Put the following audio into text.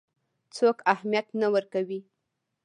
څوک اهمیت نه ورکوي.